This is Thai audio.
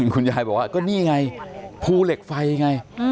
คุณยายบอกว่าก็นี่ไงภูเหล็กไฟไง